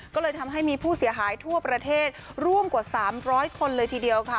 ก็เลยทำให้มีผู้เสียหายทั่วประเทศร่วมกว่า๓๐๐คนเลยทีเดียวค่ะ